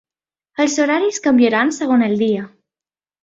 Els horaris canviaran segon el dia.